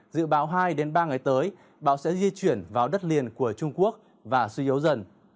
dự báo hai ba ngày tới bão sẽ di chuyển vào đất liền của trung quốc và suy yếu dần